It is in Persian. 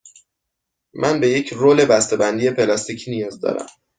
من به یک رول بسته بندی پلاستیکی نیاز دارم.